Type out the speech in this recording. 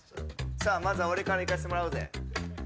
まずは、俺からいかせてもらうぜ。